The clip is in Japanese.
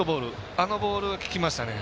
あのボールが効きましたね。